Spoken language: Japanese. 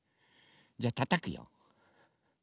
じゃあたたくよ。